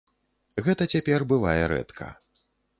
Гэта цяпер бывае рэдка.